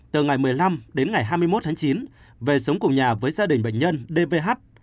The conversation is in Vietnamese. từ ngày một mươi năm đến ngày hai mươi một tháng chín về sống cùng nhà với gia đình bệnh nhân dvh